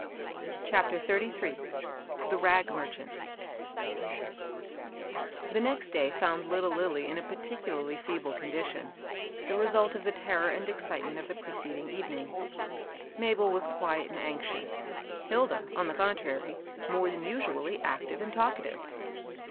CHAPTER XXXIIL THE BAG MEBCHANT8* HE next day found little Lilly in a partio* nlarly feeble condition, — the result of the terror and excitement of the preceding evening. Mabel was quiet and anxious; Hilda, on the contrary, more than usually active and talkative.